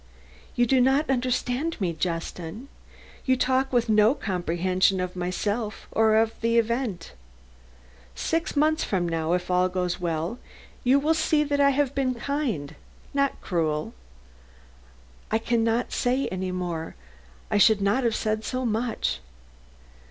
"You do not understand me, Justin. You talk with no comprehension of myself or of the event. Six months from now, if all goes well, you will see that I have been kind, not cruel. I can not say any more; I should not have said so much.